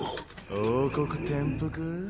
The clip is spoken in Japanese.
王国転覆？